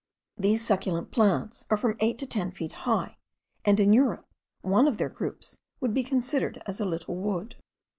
These succulent plants are from eight to ten feet high, and in Europe one of their groups would be considered as a little wood.